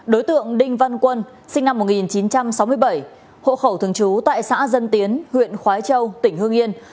đối tượng đinh văn quân sinh năm một nghìn chín trăm sáu mươi bảy hộ khẩu thường trú tại xã dân tiến huyện khói châu tỉnh hương yên